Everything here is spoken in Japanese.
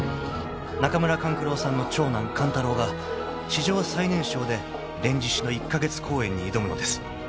［中村勘九郎さんの長男勘太郎が史上最年少で『連獅子』の１カ月公演に挑むのです］